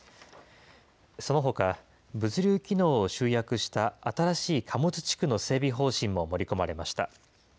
そのほか、物流機能を集約した新しい貨物地区の整備方針も盛り込まれました。